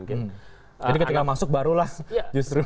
jadi ketika masuk barulah justru